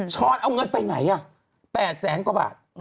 ช้อนเอาเงินไปไหน๘แสนกว่าบาท